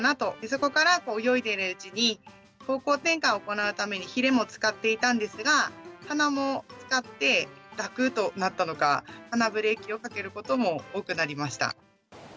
そこから泳いでいるうちに方向転換を行うためにひれも使っていたんですが、鼻も使って楽となったのか、鼻ブレーキをかけることも多くなりました。